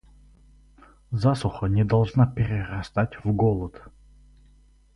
Засуха не должна перерастать в голод.